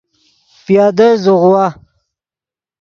پیادل زوغوا